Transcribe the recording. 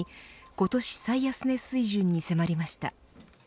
今年最安値水準に迫りました。